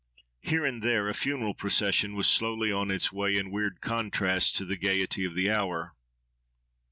Here and there, a funeral procession was slowly on its way, in weird contrast to the gaiety of the hour.